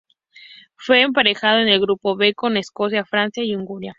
Fue emparejado en el Grupo B con Escocia, Francia y Hungría.